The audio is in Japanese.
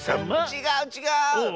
ちがうちがう！